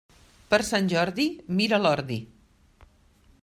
Per Sant Jordi, mira l'ordi.